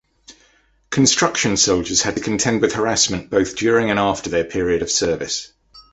Construction soldiers had to contend with harassment both during and after their period of service.